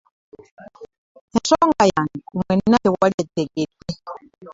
Ensonga yange ku mwenna tewali yagitegedde.